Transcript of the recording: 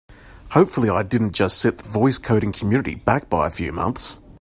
Hopefully I didn't just set the voice coding community back by a few months!